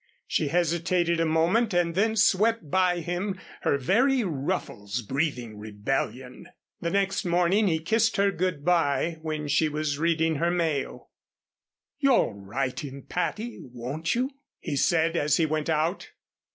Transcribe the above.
She hesitated a moment and then swept by him, her very ruffles breathing rebellion. The next morning he kissed her good bye when she was reading her mail. "You'll write him, Patty, won't you?" he said, as he went out.